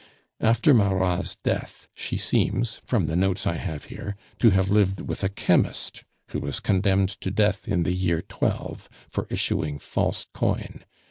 After Marat's death she seems, from the notes I have here, to have lived with a chemist who was condemned to death in the year XII. for issuing false coin.